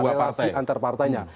relasi antar partainya